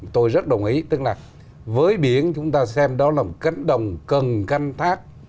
tôi rất đồng ý tức là với biển chúng ta xem đó là một cánh đồng cần canh thác